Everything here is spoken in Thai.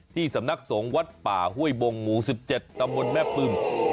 สำนักสงฆ์วัดป่าห้วยบงหมู่๑๗ตำบลแม่ปึง